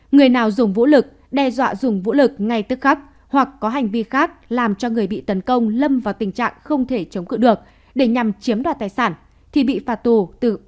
một người nào dùng vũ lực đe dọa dùng vũ lực ngay tức khắc hoặc có hành vi khác làm cho người bị tấn công lâm vào tình trạng không thể chống cướp được để nhằm chiếm đoạt tài sản thì bị phạt tù từ ba đến một mươi năm